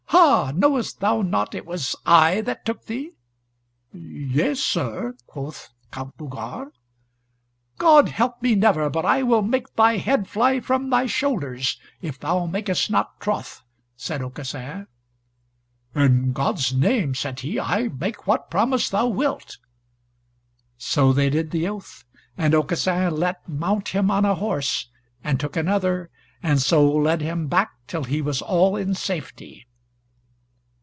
"Ha, knowest thou not it was I that took thee?" "Yea, sir," quoth the Count Bougars. "God help me never, but I will make thy head fly from thy shoulders, if thou makest not troth," said Aucassin. "In God's name," said he, "I make what promise thou wilt." So they did the oath, and Aucassin let mount him on a horse, and took another and so led him back till he was all in safety.